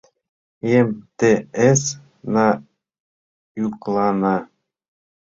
ЭМ-Те-эС-на йӱклана.